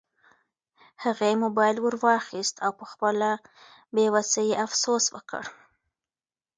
هغې موبایل ورواخیست او په خپله بې وسۍ یې افسوس وکړ.